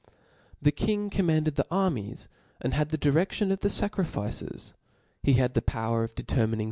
' The king^j'^gr.'^' commanded the ai'mies, and had the dircftion of Y"',^"?: the facrifice&i he l^ad the pbwer of determining ityf.